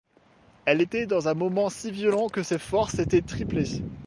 Elle était dans un moment si violent que ses forces étaient triplées.